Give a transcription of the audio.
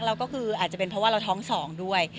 และอาจเป็นเพราะว่าเราท้องสอง